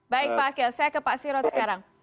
baik pak akhil saya ke pak sirot sekarang